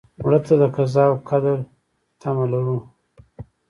مړه ته د قضا او قدر تمه لرو